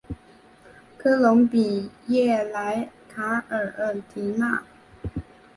科隆比耶莱卡尔迪纳。